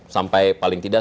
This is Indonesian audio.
sampai paling tidak